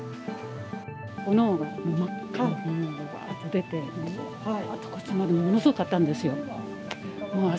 炎が真っ赤な炎がばーっと出て、うわーっとこっちまで、ものすごかったんですよ。